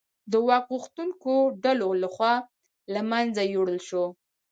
د واک غوښتونکو ډلو لخوا له منځه یووړل شول.